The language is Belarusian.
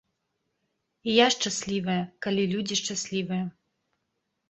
І я шчаслівая, калі людзі шчаслівыя.